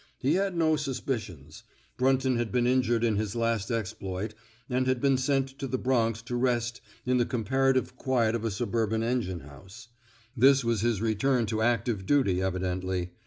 He had no suspicions. Brunton had been injured in his last exploit, and had been sent to the Bronx to rest in the comparative quiet of a suburban engine house; this was his return to active duty evidently.